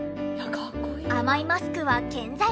甘いマスクは健在！